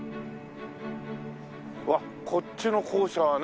うわっこっちの校舎は何？